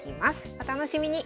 お楽しみに。